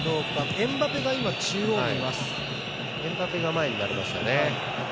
エムバペが前になりました。